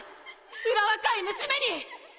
うら若い娘に！